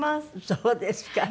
そうですか。